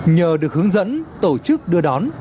nhờ được hướng dẫn tổ chức đưa đón